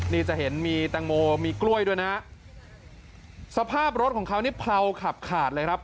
นี่จะเห็นมีแตงโมมีกล้วยด้วยนะฮะสภาพรถของเขานี่เผาขับขาดเลยครับ